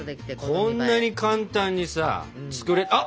こんなに簡単にさ。あ！